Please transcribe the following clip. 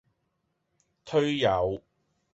推友